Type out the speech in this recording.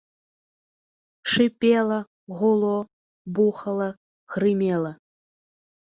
Шыпела, гуло, бухала, грымела.